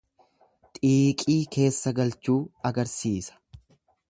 Xiiqii keessa galchuu agarsiisa.